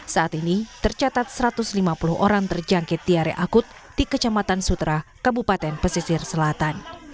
saat ini tercatat satu ratus lima puluh orang terjangkit diare akut di kecamatan sutra kabupaten pesisir selatan